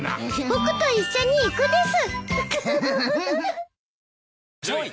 僕と一緒に行くです。